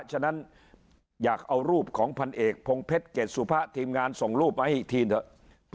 ฉะนั้นอยากเอารูปของพันเอกพงเพชรเกรสุพะทีมงานส่งรูปมาให้อีกทีเถอะ